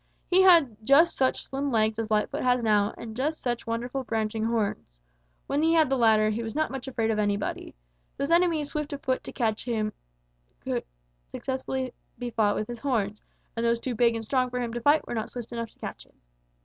"He had just such slim legs as Lightfoot has now and just such wonderful, branching horns. When he had the latter, he was not much afraid of anybody. Those enemies swift enough of foot to catch him he could successfully fight with his horns, and those too big and strong for him to fight were not swift enough to catch him.